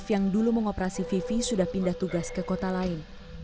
yang dulu mengoperasi vivi sudah pindah tugas ke kota lain